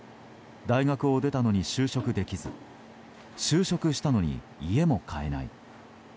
大学を出たのに就職できず就職したのに家も買えない。